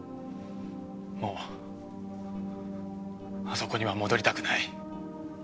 もうあそこには戻りたくない。